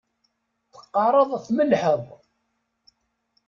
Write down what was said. Teqqareḍ tmellḥeḍ